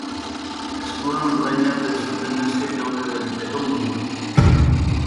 Eskuan orain arte ez zuten neskek aurrera egiteko modurik.